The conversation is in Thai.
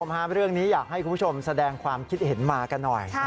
เรื่องนี้อยากให้คุณผู้ชมแสดงความคิดเห็นมากันหน่อย